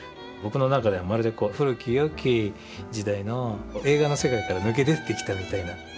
僕の中ではまるで古きよき時代の映画の世界から抜け出てきたみたいな。